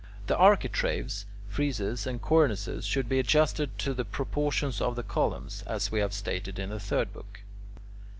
The architraves, friezes, and cornices should be adjusted to the proportions of the columns, as we have stated in the third book.